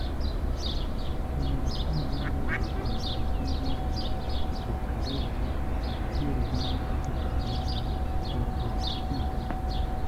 En la sama jaro li translokiĝis al Bukareŝto, kie li jam estis konata portretisto.